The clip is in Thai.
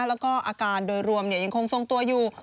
แล้วก็อาการโดยรวมยังคงทรงตัวอยู่